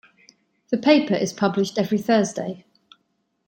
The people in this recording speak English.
The paper is published every Thursday.